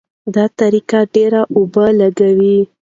دا طریقه ډېرې اوبه لګوي.